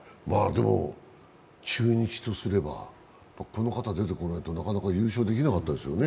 中日とすれば、この方が出てこないとなかなか優勝できなかったですよね。